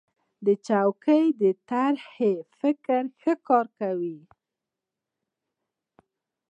چوکۍ د طراح فکر ښکاره کوي.